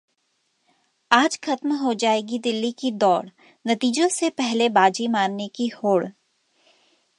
आज खत्म हो जाएगी दिल्ली की दौड़, नतीजों से पहले बाजी मारने की होड़